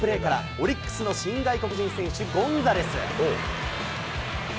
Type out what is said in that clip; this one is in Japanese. オリックスの新外国人選手、ゴンザレス。